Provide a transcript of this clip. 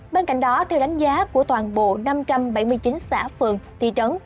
bên cạnh đó theo đánh giá của toàn bộ năm trăm bảy mươi chín xã phường thị trấn